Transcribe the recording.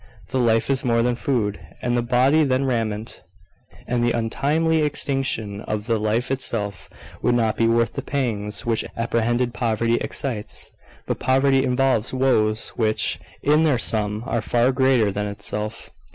"The life is more than food, and the body than raiment;" and the untimely extinction of the life itself would not be worth the pangs which apprehended poverty excites. But poverty involves woes which, in their sum, are far greater than itself.